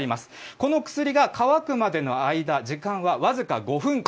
この薬が乾くまでの間、時間は僅か５分間。